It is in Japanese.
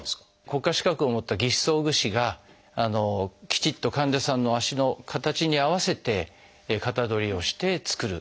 国家資格を持った義肢装具士がきちっと患者さんの足の形に合わせて型取りをして作る。